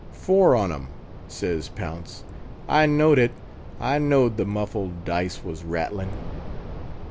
"Four on 'em," says Pounce. "I know'd it; I know'd the muffled dice was rattlin'!"